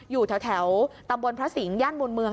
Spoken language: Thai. อยู่แถวตำบลพระสิงห์ย่านมูลเมือง